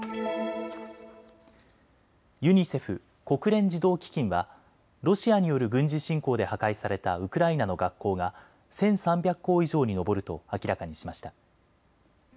ユニセフ・国連児童基金はロシアによる軍事侵攻で破壊されたウクライナの学校が１３００校以上に上ると明らかにしました。